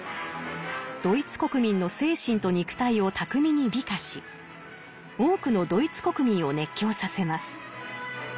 ドイツ国民の精神と肉体を巧みに美化し多くのドイツ国民を熱狂させます。